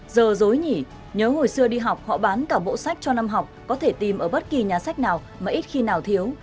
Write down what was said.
giờ dối nhỉ nhớ hồi xưa đi học họ bán cả bộ sách cho năm học có thể tìm ở bất kỳ nhà sách nào mà ít khi nào thiếu